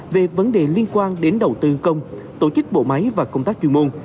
về vấn đề liên quan đến đầu tư công tổ chức bộ máy và công tác chuyên môn